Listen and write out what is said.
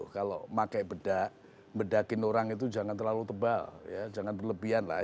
kalau pakai bedak bedakin orang itu jangan terlalu tebal ya jangan berlebihan lah